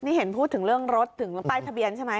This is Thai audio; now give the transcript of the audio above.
นี่เห็นพูดถึงเรื่องรถถึงป้ายทะเบียนใช่ไหม